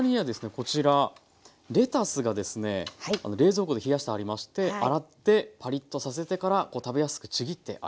こちらレタスがですね冷蔵庫で冷やしてありまして洗ってパリっとさせてから食べやすくちぎってあります。